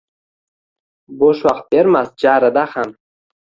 Bo’sh vaqt bermas jarida ham